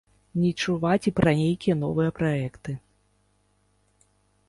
Не чуваць і пра нейкія новыя праекты.